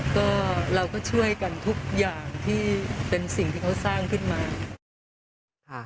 ก็เราก็ช่วยกันทุกอย่างที่เป็นสิ่งที่เขาสร้างขึ้นมาค่ะ